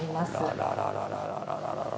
あらららららら。